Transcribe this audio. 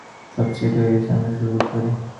সব সেট হয়ে গেছে, আমরা শুরু করতে পারি।